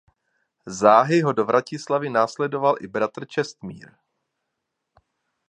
Záhy ho do Vratislavi následoval i bratr Čestmír.